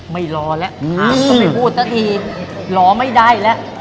ไม่รอแล้วอาจจะไปพูดซะทีรอไม่ได้แล้ว